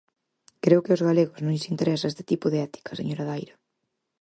Creo que aos galegos non lles interesa ese tipo de ética, señora Daira.